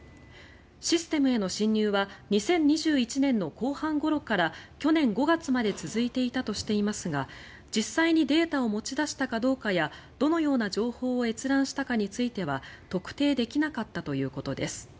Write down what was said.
システムへの侵入は２０２１年の後半ごろから去年５月まで続いていたとしていますが実際にデータを持ち出したかどうかやどのような情報を閲覧したかについては特定できなかったということです。